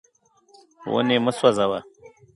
ونې مه سوځوه.